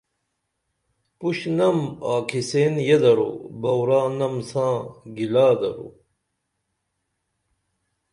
پُشنم آکھسیئن یدرو بئورانم ساں گِلا درو